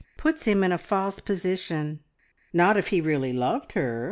Puts him in a false position." "Not if he really loved her.